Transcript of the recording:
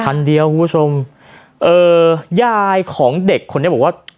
คันเดียวคุณผู้ชมเอ่อยายของเด็กคนนี้บอกว่า